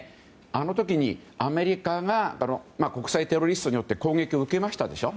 あの時にアメリカが国際テロリストによって攻撃を受けましたでしょ。